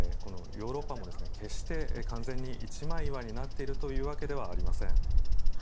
ヨーロッパも決して完全に一枚岩になっているというわけではありません。